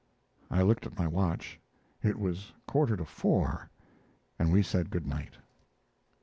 I looked at my watch. It was quarter to four, and we said good night.